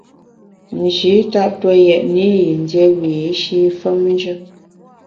Nji tap tue yètne i yin dié wiyi’shi femnjù.